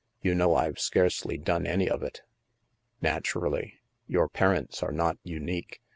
You know I've scarcely done any of it." " Naturally. Your parents are not unique.